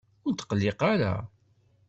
Ur tqelliq ara.